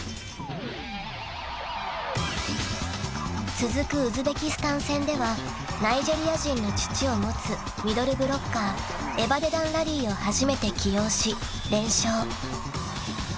［続くウズベキスタン戦ではナイジェリア人の父を持つミドルブロッカーエバデダンラリーを初めて起用し連勝］